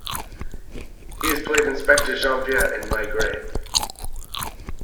He has played Inspector Janvier in Maigret.